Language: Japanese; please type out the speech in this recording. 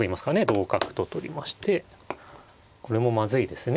同角と取りましてこれもまずいですね。